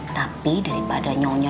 tapi daripada nyonya